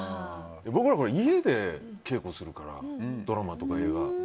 僕は家でけいこするからドラマとか映画は。